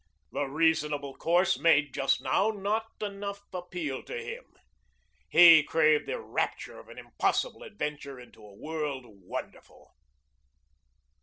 The reasonable course made just now not enough appeal to him. He craved the rapture of an impossible adventure into a world wonderful.